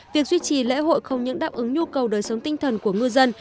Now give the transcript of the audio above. việc duy trì lễ hội không những đáp ứng nhu cầu đời sống tinh thần của ngư dân